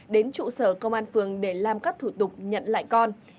đến trụ sở công an phường để làm các thủ tục nhận lại con